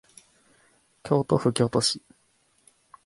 京都府京都市